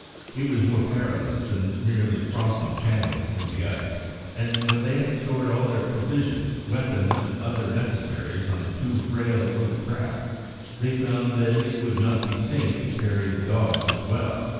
It was more perilous than merely crossing channels in the ice, and when they had stored all their provisions, weapons, and other necessaries on the two frail little craft, they found that it would not be safe to carry the dogs as well.